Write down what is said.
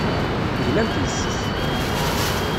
Teglamt yes-s.